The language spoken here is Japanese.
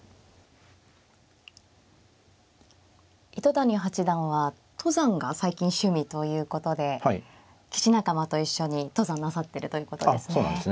糸谷八段は登山が最近趣味ということで棋士仲間と一緒に登山なさってるということですね。